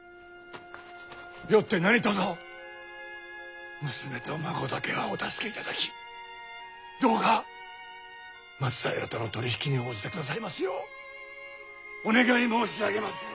よって何とぞ娘と孫だけはお助けいただきどうか松平との取り引きに応じてくださいますようお願い申し上げまする。